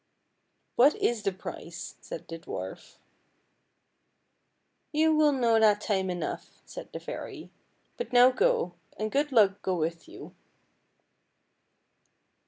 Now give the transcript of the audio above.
" What is the price? " said the dwarf. " You will know that time enough," said the fairy; " but now go, and good luck go with you."